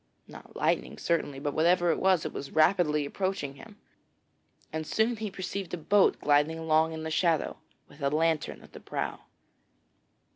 Not lightning certainly, but whatever it was, it was rapidly approaching him, and soon he perceived a boat gliding along in the shadow, with a lantern at the prow.